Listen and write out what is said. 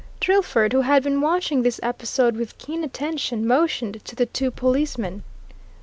Drillford, who had been watching this episode with keen attention, motioned to the two policemen.